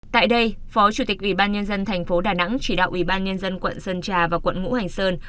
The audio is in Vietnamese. tại đây phó chủ tịch ủy ban nhân dân thành phố đà nẵng chỉ đạo ủy ban nhân dân quận sơn trà và quận ngũ hành sơn